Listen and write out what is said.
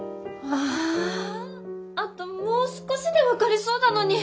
あともう少しで分かりそうだのに。